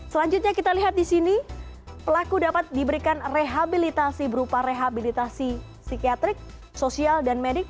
selanjutnya kita lihat di sini pelaku dapat diberikan rehabilitasi berupa rehabilitasi psikiatrik sosial dan medik